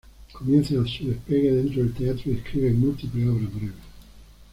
Comienza su despegue dentro del teatro y escribe múltiples obras breves.